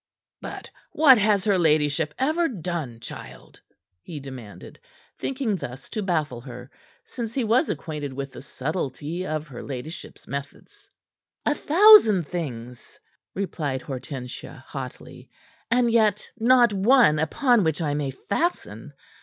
"But what has her ladyship ever done, child?" he demanded, thinking thus to baffle her since he was acquainted with the subtlety of her ladyship's methods. "A thousand things," replied Hortensia hotly, "and yet not one upon which I may fasten.